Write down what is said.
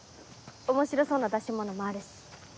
面白そうな出し物もあるし。